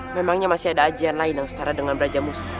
memangnya masih ada ajian lain yang setara dengan raja musta